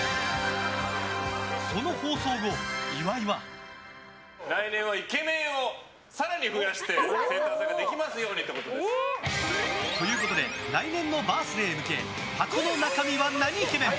その放送後、岩井は。ということで来年のバースデーへ向け箱の中身はなにイケメン？